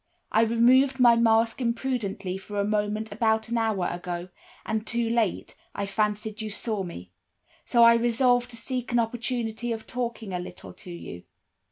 I removed my mask imprudently for a moment, about an hour ago, and, too late, I fancied you saw me. So I resolved to seek an opportunity of talking a little to you.